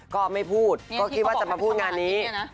ก็ไม่พูดก็คิดว่าจะมาพูดงานนี้